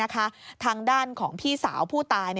ทางด้านของพี่สาวผู้ตาย